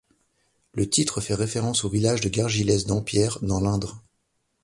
Le titre fait référence au village de Gargilesse-Dampierre, dans l'Indre.